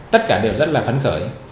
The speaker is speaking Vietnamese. tất cả đều rất là phấn khởi